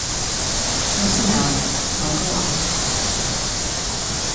Es zināju, ka tas nav galā.